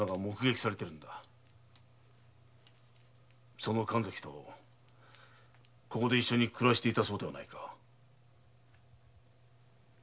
その神崎とここで一緒に暮らしていたそうではないか。